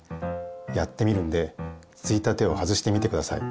やってみるんでついたてを外してみてください。